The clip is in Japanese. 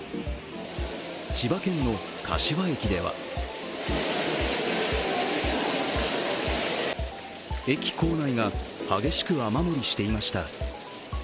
千葉県の柏駅では駅構内が激しく雨漏りしていました。